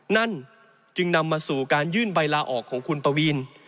นั่นจึงนำมาสู่การยื่นใบลาออกของคุณปวีน